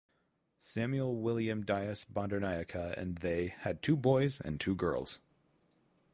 Samuel William Dias Bandaranaike and they had two boys and two girls.